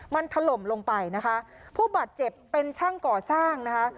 มันถล่มลงไปนะคะผู้บาดเจ็บเป็นช่างก่อสร้างนะคะ